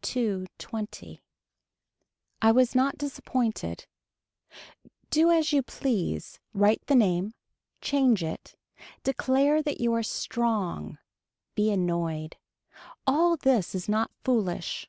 Two twenty. I was not disappointed. Do as you please, write the name, change it, declare that you are strong, be annoyed. All this is not foolish.